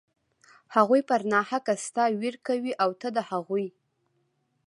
هغوى پر ناحقه ستا وير کوي او ته د هغوى.